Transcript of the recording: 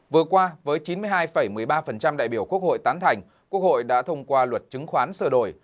vừa qua với chín mươi hai một mươi ba đại biểu quốc hội tán thành quốc hội đã thông qua luật chứng khoán sửa đổi